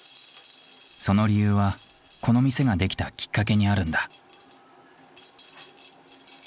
その理由はこの店ができたきっかけにあるんだ。